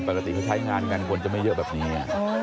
ปกติเขาใช้งานกันคนจะไม่เยอะแบบนี้